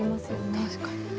確かにね。